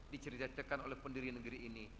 diceritakan oleh pendiri negeri ini